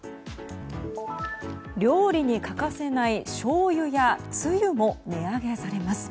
料理に欠かせないしょうゆやつゆも値上げされます。